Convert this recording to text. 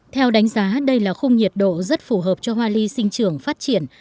theo đánh giá đây là khung nhiệt độ rất phù hợp cho hoa ly sinh trường phát triển